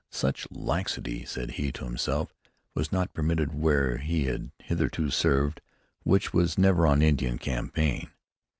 Such laxity, said he to himself, was not permitted where he had hitherto served, which was never on Indian campaign.